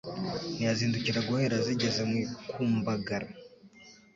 Ntiyazindukira guhera zigeze mu ikumbagara